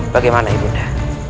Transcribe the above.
bagaimana ibu nda